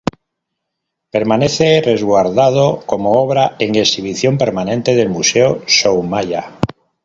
Permanece resguardado como obra en exhibición permanente del Museo Soumaya.